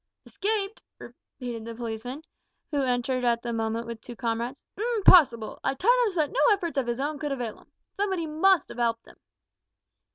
"Escaped!" repeated the policeman, who entered at the moment with two comrades; "impossible! I tied 'im so that no efforts of his own could avail 'im. Somebody must 'ave 'elped 'im."